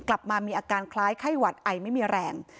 กลับมามีอาการคล้ายไข้หวัดไอไม่มีแรง